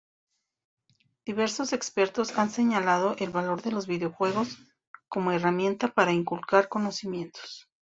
Diversos expertos han señalado el valor de los videojuegos como herramientas para inculcar conocimientos.